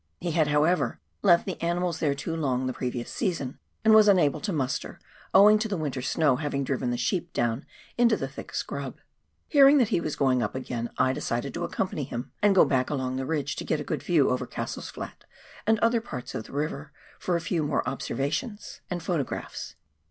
He had, however, left the animals there too long the previous season, and was imable to muster, owing to the winter snow having driven the sheep down into the thick scrub. Hearing that he was going up again I decided to accompany him, and go back along the ridge to get a good view over Cassell's Flat and other parts of the river, for a few more observations and KARANGARUA DISTRICT. 255 photographs.